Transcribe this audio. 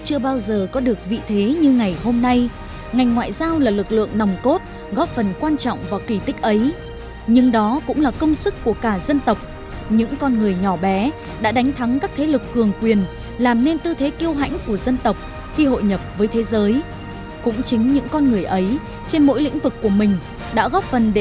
tựu chung lại vị thế việt nam nay đã khác xa so với bảy mươi năm năm trước